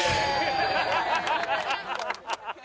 ハハハハ！